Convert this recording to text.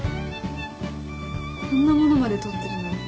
こんなものまで取ってるなんて